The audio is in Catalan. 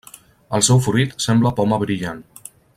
El seu fruit sembla poma brillant.